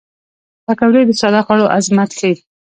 پکورې د ساده خوړو عظمت ښيي